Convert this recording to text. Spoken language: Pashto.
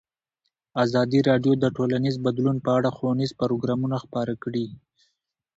ازادي راډیو د ټولنیز بدلون په اړه ښوونیز پروګرامونه خپاره کړي.